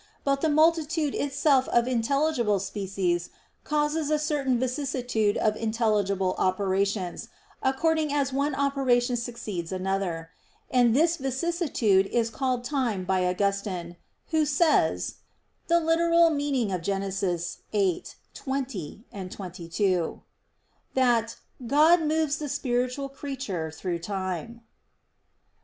But the multitude itself of intelligible species causes a certain vicissitude of intelligible operations, according as one operation succeeds another. And this vicissitude is called time by Augustine, who says (Gen. ad lit. viii, 20, 22), that "God moves the spiritual creature through time."